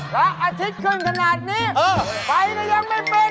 พระอาทิตย์ขึ้นขนาดนี้ไฟก็ยังไม่เป็น